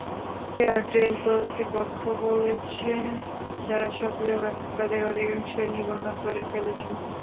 Airtel কর্তৃপক্ষ বলছে, যাঁরা সক্রিয় গ্রাহক তাঁদের অধিকাংশই নিবন্ধন করে ফেলেছেন।